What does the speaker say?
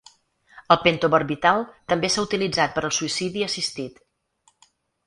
El pentobarbital també s'ha utilitzat per al suïcidi assistit.